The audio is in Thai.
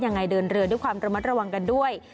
เดินเรือด้วยความระมัดระวังกันด้วย